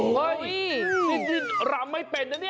เฮ้ยจริงรำไม่เป็นนะนี่